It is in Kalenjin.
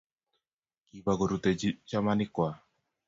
Kibak korutechi chamanik kwak.